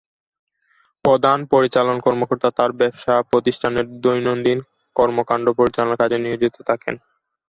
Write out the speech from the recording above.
প্রধান পরিচালন কর্মকর্তা তার ব্যবসা প্রতিষ্ঠানের দৈনন্দিন কর্মকাণ্ড পরিচালনার কাজে নিয়োজিত থাকেন।